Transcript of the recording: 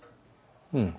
うん。